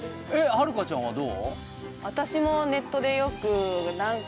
はるかちゃんはどう？